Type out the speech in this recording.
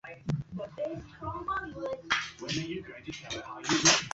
mkataba huo unatumika katika nchi themanini